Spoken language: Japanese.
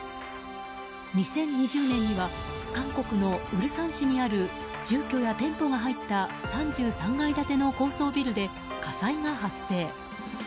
２０２０年には韓国のウルサン市にある住居や店舗が入った３３階建ての高層ビルで火災が発生。